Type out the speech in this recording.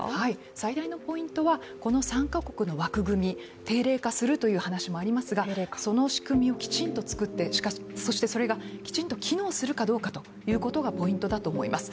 最大のポイントはこの３か国の枠組み定例化するという話もありますがその仕組みをきちんと作って、そしてそれがきちんと機能するかというところがポイントだと思います。